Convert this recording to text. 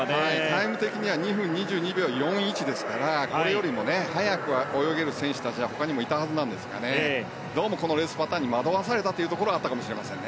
タイム的には２分２２秒４１ですからこれよりも速く泳げる選手たちが他にもいたはずなんですがどうも、このレースパターンに惑わされたところがあったかもしれません。